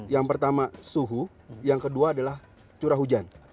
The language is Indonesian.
yang pertama suhu yang kedua adalah curah hujan